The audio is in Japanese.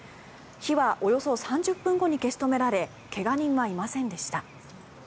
火はおよそ３０分後に消し止められ怪我人はいませんでした。